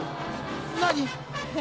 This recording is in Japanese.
「何？」